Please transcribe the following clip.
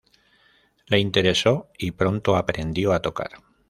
Le interesó y pronto aprendió a tocar.